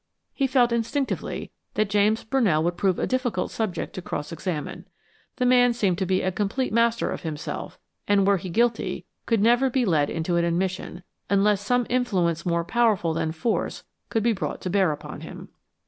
He felt instinctively that James Brunell would prove a difficult subject to cross examine. The man seemed to be complete master of himself, and were he guilty, could never be led into an admission, unless some influence more powerful than force could be brought to bear upon him.